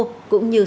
của quốc gia